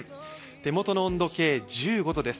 手元の温度計、１５度です。